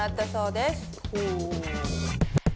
お。